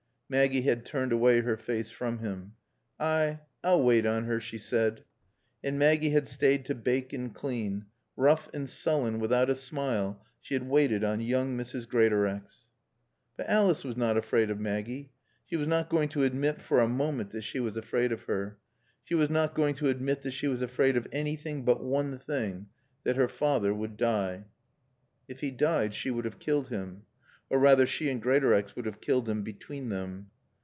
Maggie had turned away her face from him. "Ay, I'll waait on 'er," she said. And Maggie had stayed to bake and clean. Rough and sullen, without a smile, she had waited on young Mrs. Greatorex. But Alice was not afraid of Maggie. She was not going to admit for a moment that she was afraid of her. She was not going to admit that she was afraid of anything but one thing that her father would die. If he died she would have killed him. Or, rather, she and Greatorex would have killed him between them.